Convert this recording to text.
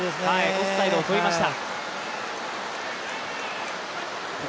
オフサイドを取りました。